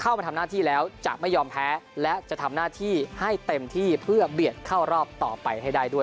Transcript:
มาทำหน้าที่แล้วจะไม่ยอมแพ้และจะทำหน้าที่ให้เต็มที่เพื่อเบียดเข้ารอบต่อไปให้ได้ด้วย